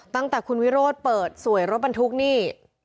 ตั้งแต่คุณวิโรธเปิดสวยรถบรรทุกนี่